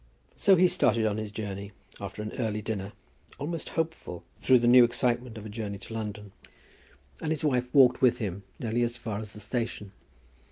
So he started on his journey after an early dinner, almost hopeful through the new excitement of a journey to London, and his wife walked with him nearly as far as the station.